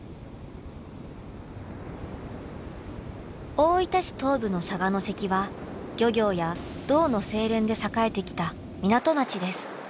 大分市東部の佐賀関は漁業や銅の精錬で栄えてきた港町です。